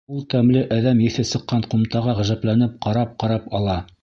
Ул тәмле әҙәм еҫе сыҡҡан ҡумтаға ғәжәпләнеп ҡарап-ҡарап ала.